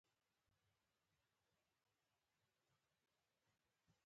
فصیل د کلا په دننه کې دېوال او برج ته ویل کېږي.